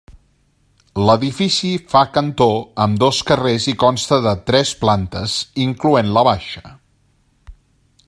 L'edifici fa cantó amb dos carrers i consta de tres plantes incloent la baixa.